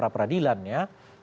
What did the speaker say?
supaya nanti peradilan itu nanti